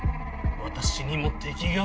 私にも敵が見え。